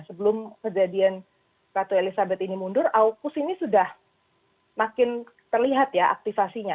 sebelum kejadian ratu elizabeth ini mundur aukus ini sudah makin terlihat ya aktifasinya